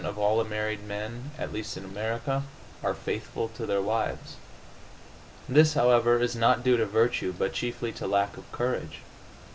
of all married men, at least in America, are faithful to their wives. This, however, is not due to virtue, but chiefly to lack of courage.